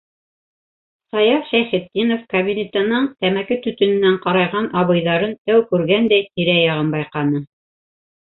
Саяф Шәйхетдинов кабинетының тәмәке төтөнөнән ҡарайған обойҙарын тәү күргәндәй, тирә-яғын байҡаны.